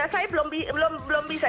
saya belum bisa